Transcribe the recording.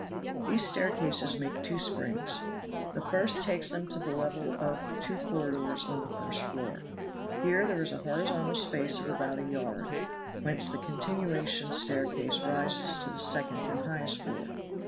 These staircases make two springs; the first takes them to the level of two corridors on the first floor. Here there is a horizontal space of about a yard, whence the continuation staircase rises to the second and highest floor.